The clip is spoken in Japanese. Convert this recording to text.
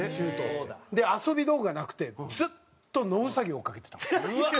遊び道具がなくてずっと野ウサギを追っかけてた。